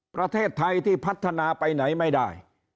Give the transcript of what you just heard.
ประเทศไทยที่พัฒนาไปไหนไม่ได้